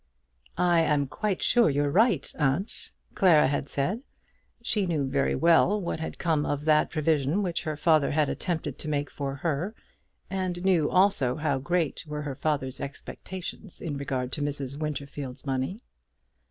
"I am quite sure you're right, aunt," Clara had said. She knew very well what had come of that provision which her father had attempted to make for her, and knew also how great were her father's expectations in regard to Mrs. Winterfield's money.